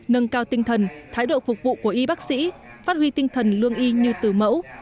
nâng cao tinh thần thái độ phục vụ của y bác sĩ phát huy tinh thần lương y như từ mẫu